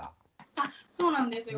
あそうなんですよ。